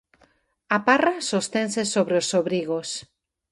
A parra sostense sobre os sobrigos.